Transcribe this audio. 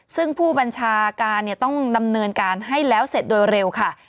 ซึ่งผู้บัญชาการต้องดำเนินการให้แล้วเสร็จโดยเร็วค่ะ